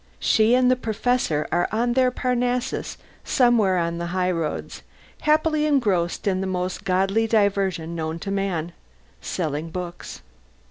She and the Professor are on their Parnassus, somewhere on the high roads, happily engrossed in the most godly diversion known to man selling books.